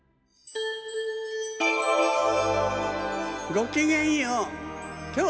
ごきげんよう。